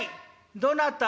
どなた？